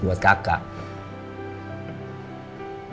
masa gracias makasih ya